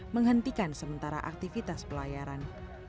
menghentikan sementara aktivitas pelayaran